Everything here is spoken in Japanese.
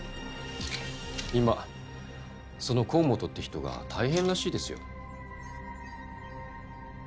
今その河本って人が大変らしいですよ。